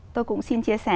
tôi cũng xin chia sẻ